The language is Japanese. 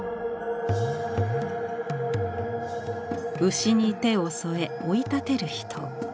牛に手を添え追い立てる人。